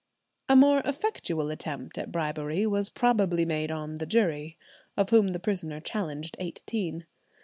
A more effectual attempt at bribery was probably made on the jury, of whom the prisoner challenged eighteen.